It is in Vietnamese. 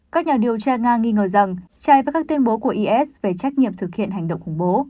các nhà điều tra nga nghi ngờ rằng trai với các tuyên bố của is về trách nhiệm thực hiện hành động khủng bố